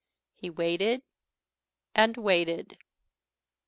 He waited. And waited.